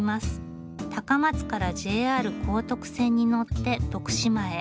高松からＪＲ高徳線に乗って徳島へ。